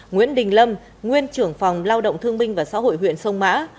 nguyễn đình lâm nguyên trưởng phòng lao động thương minh và xã hội huyện sông mã